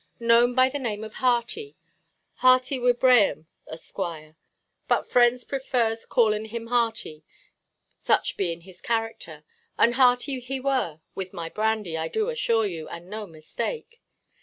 Known by the name of Hearty,—Hearty Wibraham, Esquire, but friends prefers callin' him Hearty, such bein' his character. And hearty he were with my brandy, I do assure you, and no mistake.